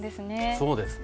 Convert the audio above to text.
そうですね。